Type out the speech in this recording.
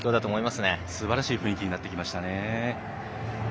すばらしい雰囲気になってきましたね。